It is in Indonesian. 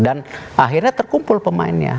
dan akhirnya terkumpul pemainnya